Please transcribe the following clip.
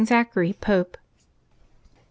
ZACHARY, Pope. ^T.